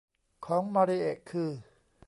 ของมาริเอะคือ